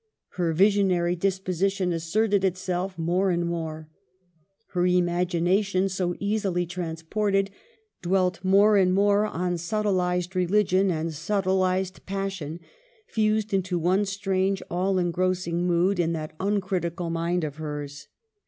Her visionary disposition asserted itself more and more. Her imagination, so easily transported, dwelt more and more on subtilized religion and subtilized passion, fused into one strange, all engrossing mood in that uncritical mind of hers.